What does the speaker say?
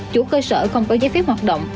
chủ cơ sở không có giấy phép hoạt động